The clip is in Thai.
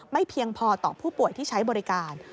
เพียงพอต่อผู้ป่วยที่ใช้บริการ